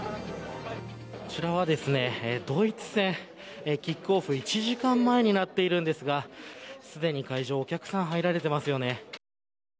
こちらはですね、ドイツ戦キックオフ１時間前になっているんですがすでに会場お客さんが入られてますよね。